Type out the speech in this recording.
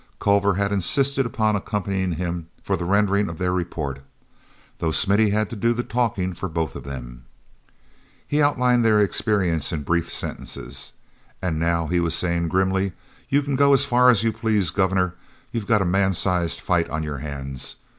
Culver had insisted upon accompanying him for the rendering of their report, though Smithy had to do the talking for both of them. He outlined their experience in brief sentences. "And now," he was saying grimly, "you can go as far as you please, Governor. You've got a man's sized fight on your hands.